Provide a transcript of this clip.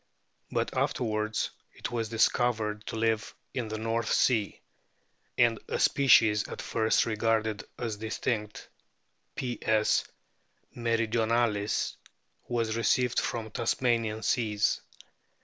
But afterwards it was discovered to live in the North Sea, and a species at first regarded as distinct, Ps. meridionalis, was received from Tasmanian seas.